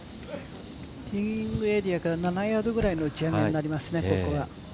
ティーイングエリアから７ヤードぐらいの打ち上げになりますね、ここから。